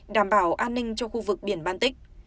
đảm bảo an ninh cho khu vực biển baltic